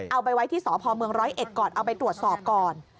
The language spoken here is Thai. เอาไปไว้ที่สพม๑๐๑ก่อนเอาไปตรวจสอบก่อน